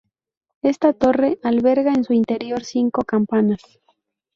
Esta torre alberga en su interior cinco campanas.